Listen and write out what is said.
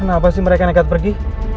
kenapa sih mereka nekat pergi